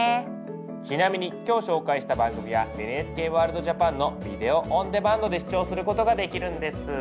ちなみに今日紹介した番組は「ＮＨＫＷＯＲＬＤＪＡＰＡＮ」のビデオオンデマンドで視聴することができるんです。